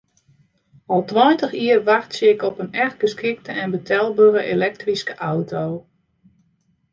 Al tweintich jier wachtsje ik op in echt geskikte en betelbere elektryske auto.